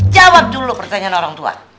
jawab dulu pertanyaan orang tua